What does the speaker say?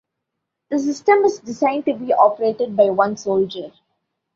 The system is designed to be operated by one soldier.